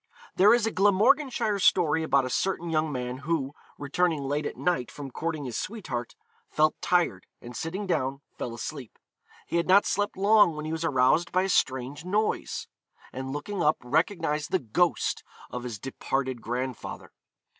There is a Glamorganshire story about a certain young man who, returning late at night from courting his sweetheart, felt tired, and sitting down fell asleep. He had not slept long when he was aroused by a strange noise, and looking up recognised the ghost of his departed grandfather.